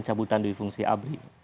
cabutan di fungsi abri